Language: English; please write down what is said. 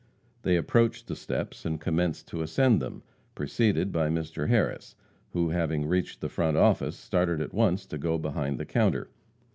They approached the steps and commenced to ascend them, preceded by Mr. Harris, who, having reached the front office, started at once to go behind the counter.